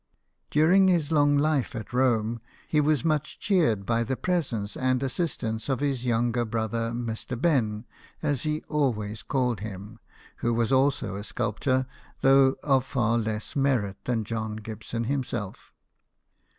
During his long life at Rome, he was much cheered by the presence and assistance of his younger brother, Mr. Ben, as he always called him, who was also a sculptor, though of far less merit than John Gibson himself.